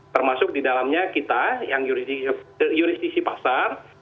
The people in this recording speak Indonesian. termasuk di dalamnya kita yang juristisi pasar